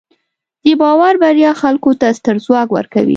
د باور بریا خلکو ته ستر ځواک ورکوي.